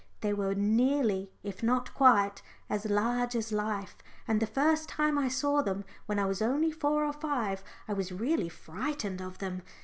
They were nearly, if not quite, as large as life, and the first time I saw them, when I was only four or five, I was really frightened of them.